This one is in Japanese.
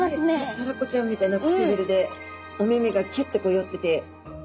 たらこちゃんみたいな唇でお目々がキュッてこう寄ってて。